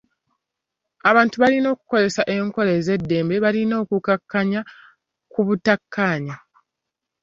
Abantu balina okukozesa enkola ez'eddembe balina okukaanya ku obutakaanya.